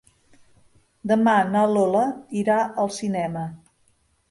Demà na Lola irà al cinema.